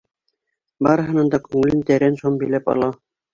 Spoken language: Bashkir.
Барыһының да күңелен тәрән шом биләп ала.